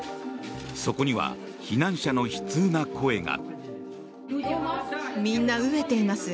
そこには避難者の悲痛な声が。